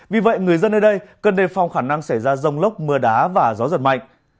vì vậy người dân nơi đây cần đề phòng khả năng xảy ra rông lốc mưa đá và gió giật mạnh